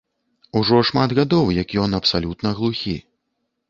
Ужо шмат гадоў, як ён абсалютна глухі.